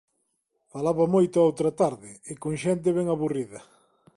Falaba moito a outra tarde, e con xente ben aburrida.